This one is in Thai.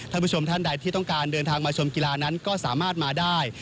ท่านผู้ชมท่านใดที่ต้องการเดินทางมาชมกีฬานั้นก็สามารถมาได้